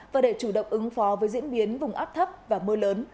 và để chủ động ứng phó với diễn biến vùng áp thấp và mưa lớn